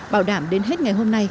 bảo đảm đến hết ngày hôm nay